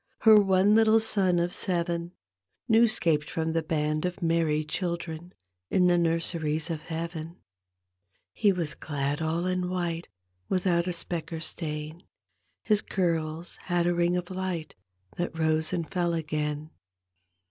Her one little son of seven, New 'scaped from the band of merry children In the nurseries of Heaven. He was all clad in white Without a speck or stain ; His curb had a ring of light, That rose and fell again.